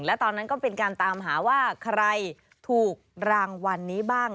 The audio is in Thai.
และตอนนั้นก็เป็นการตามหาว่าใครถูกรางวัลนี้บ้าง